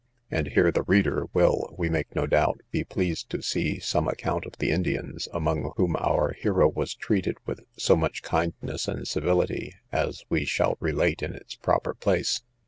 And here the reader will, we make no doubt, be pleased to see some account of the Indians, among whom our hero was treated with so much kindness and civility, as we shall relate in its proper place.